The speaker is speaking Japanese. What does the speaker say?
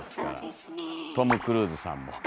トム・クルーズさんも。